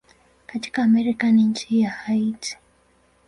Katika Amerika ni nchi ya Haiti.